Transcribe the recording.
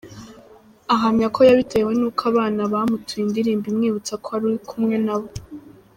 Ahamya ko yabitewe n’uko abana bamutuye indirimbo imwibutsa ko ari kumwe na bo.